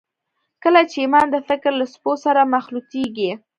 کله چې ایمان د فکر له څپو سره مخلوطېږي